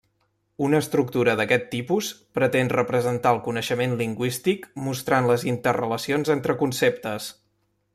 Una estructura d'aquest tipus pretén representar el coneixement lingüístic mostrant les interrelacions entre conceptes.